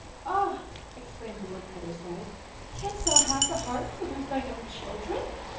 "Ah!" exclaimed the Woodcutter's wife, "Canst thou have the heart to lose thine own children?"